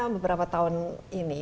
beberapa tahun ini